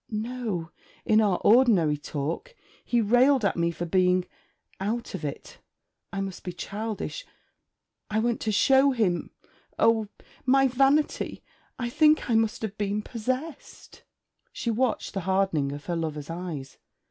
'No: in our ordinary talk. He railed at me for being "out of it." I must be childish: I went to show him oh! my vanity! I think I must have been possessed.' She watched the hardening of her lover's eyes.